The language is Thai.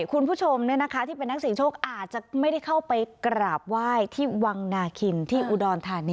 คุณผู้ชมที่เป็นนักเสียงโชคอาจจะไม่ได้เข้าไปกราบไหว้ที่วังนาคินที่อุดรธานี